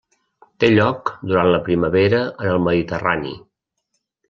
Té lloc durant la primavera en el Mediterrani.